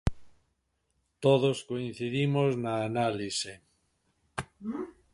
Todos coincidimos na análise.